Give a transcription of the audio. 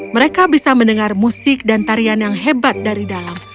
mereka bisa mendengar musik dan tarian yang hebat dari dalam